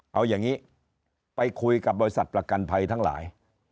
เอาอย่างนี้ไปคุยกับบริษัทประกันภัยทั้งหลาย